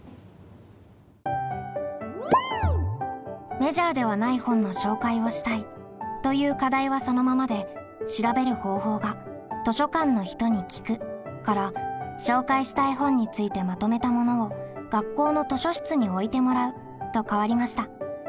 「メジャーではない本の紹介をしたい」という課題はそのままで調べる方法が「図書館の人に聞く」から「紹介したい本についてまとめたものを学校の図書室に置いてもらう」と変わりました。